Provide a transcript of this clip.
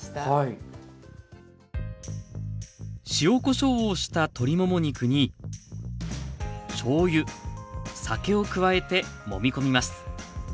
塩こしょうをした鶏もも肉にしょうゆ・酒を加えてもみこみます。